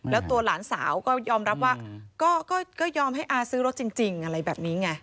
แล้วตัวหลานสาวก็ยอมรับว่าก็ยอมให้อาซื้อรถจริงอะไรแบบนี้ไง